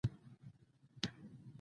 یکشنبې ورځې ته یو نۍ وایی